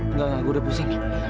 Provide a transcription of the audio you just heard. enggak gue udah pusing